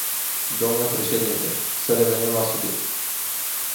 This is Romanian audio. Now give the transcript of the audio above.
Dle președinte, să revenim la subiect.